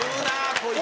こいつ。